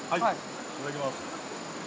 いただきます。